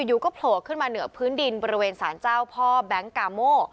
อยู่ก็โผล่ขึ้นมาเหนือพื้นดินบริเวณสารเจ้าพ่อแบงค์กาโม